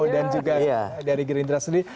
dan juga dari girindra sendiri